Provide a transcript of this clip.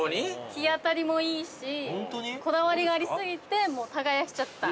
◆日当たりもいいし、こだわりがありすぎてもう耕しちゃった。